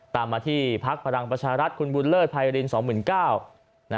ตามมาที่พักพลังประชารัฐคุณบุญเลิศภัยริน๒๙๐๐